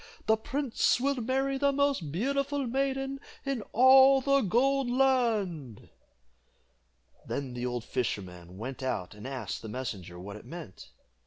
the prince will marry the most beautiful maiden in all the Gold Land!" Then the old fisherman went out and asked the messenger what it meant.